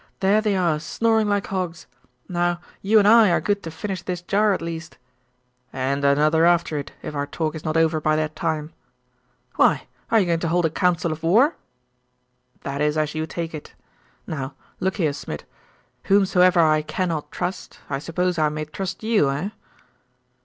There they are, snoring like hogs. Now, you and I are good to finish this jar, at least.' 'And another after it, if our talk is not over by that time.' 'Why, are you going to hold a council of war?' 'That is as you take it. Now, look here, Smid. Whomsoever I cannot trust, I suppose I may trust you, eh?